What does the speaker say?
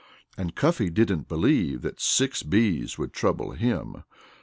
And Cuffy didn't believe that six bees would trouble him.